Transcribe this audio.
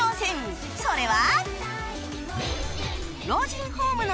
それは